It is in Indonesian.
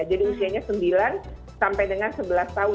jadi usianya sembilan sampai dengan sebelas tahun